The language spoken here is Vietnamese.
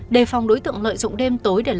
đề phòng đối tượng lợi dụng đêm